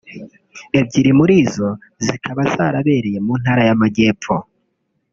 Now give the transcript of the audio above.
ebyiri muri zo zikaba zarabereye mu ntara y’Amajyepfo